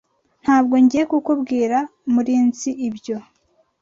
Ntabwo ngiye kubwira Murinzi ibyo.